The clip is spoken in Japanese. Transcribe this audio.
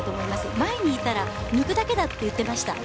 前にいたら抜くだけだと言っていました。